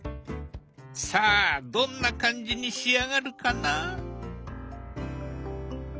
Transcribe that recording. さあどんな感じに仕上がるかな？